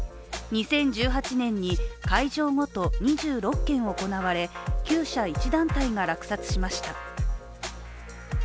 ２０１８年に会場ごと２６件行われ９社１団体が落札しました。